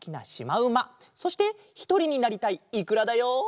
そしてひとりになりたいいくらだよ。